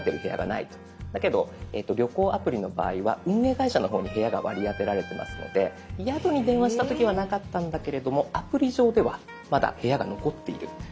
だけど旅行アプリの場合は運営会社の方に部屋が割り当てられてますので宿に電話した時はなかったんだけれどもアプリ上ではまだ部屋が残っているそんなこともありますので。